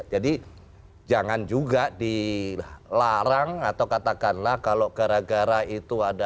jadi jangan juga dilarang atau katakanlah kalau gara gara itu ada